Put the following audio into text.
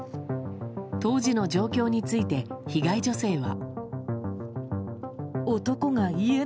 当時の状況について被害女性は。